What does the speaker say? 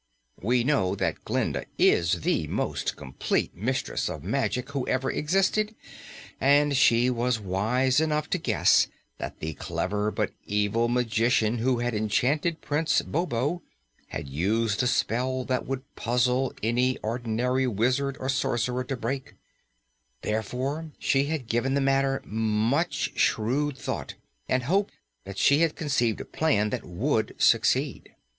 We know that Glinda is the most complete mistress of magic who has ever existed, and she was wise enough to guess that the clever but evil magician who had enchanted Prince Bobo had used a spell that would puzzle any ordinary wizard or sorcerer to break; therefore she had given the matter much shrewd thought and hoped she had conceived a plan that would succeed.